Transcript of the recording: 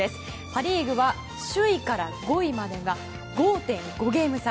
パ・リーグは首位から５位までが５．５ゲーム差。